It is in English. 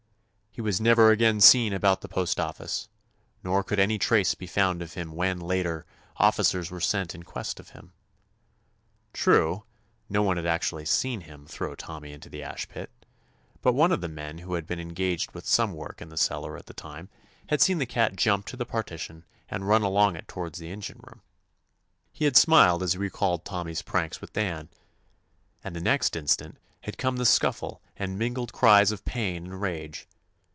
He was never again seen about the postoffice, nor could any trace be found of him when, later, officers were sent in quest of him. True, no one had actually seen him throw Tommy into the ash pit, but one of the men who had been engaged with some work in the cellar at the time had seen the cat jump to the par tition and run along it toward the en gine room. He had smiled as he re called Tommy's pranks with Dan, and the next instant had come the scuffle and mingled cries of pain and rage.